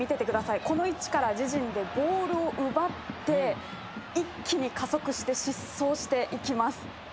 この位置から自陣でボールを奪って一気に加速して疾走していきます。